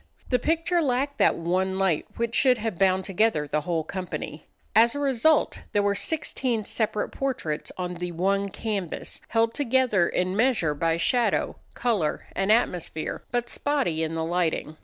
The picture lacked that one light which should have bound together the whole company. As a result there were sixteen separate portraits on the one canvas, held together in measure by shadow, color and atmosphere, but spotty in the lighting.